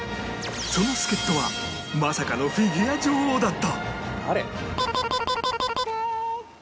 その助っ人はまさかのフィギュア女王だった